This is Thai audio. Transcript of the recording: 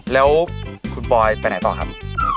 แล้วคุณปอยไปไหนต่อครับ